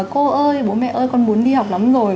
cô ơi bố mẹ ơi con muốn đi học lắm rồi